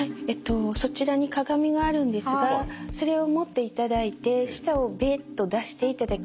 そちらに鏡があるんですがそれを持っていただいて舌をベッと出していただきます。